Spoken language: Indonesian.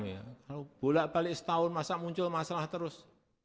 kalau bolak balik setahun masa muncul masalah terus